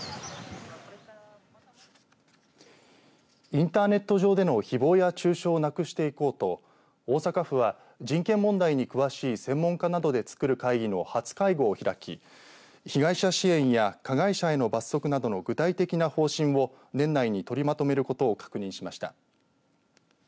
インターネット上でのひぼうや中傷をなくしていこうと大阪府は人権問題に詳しい専門家などでつくる会議の初会合を開き被害者支援や加害者への罰則などの具体的な方針を年内に取りまとめることを確認しました。